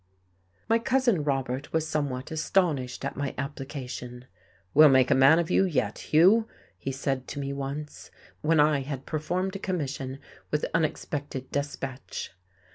My Cousin Robert was somewhat astonished at my application. "We'll make a man of you yet, Hugh," he said to me once, when I had performed a commission with unexpected despatch....